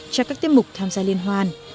cho các tiết mục tham gia liên hoan